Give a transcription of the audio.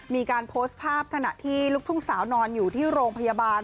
มีการโพสต์ภาพขณะที่ลูกทุ่งสาวนอนอยู่ที่โรงพยาบาล